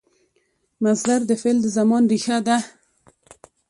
مصدر د فعل د زمان ریښه ده.